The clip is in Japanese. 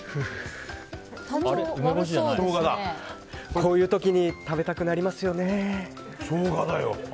こういう時に食べたくなりますよね。